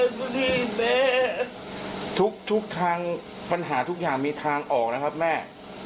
อย่าท้อแม่อย่าท้อครับทุกทุกทางปัญหาทุกอย่างมีทางออกนะครับแม่